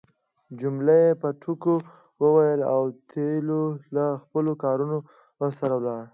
جميله په ټوکو وویل اوتیلو له خپلو کارونو سره ولاړ.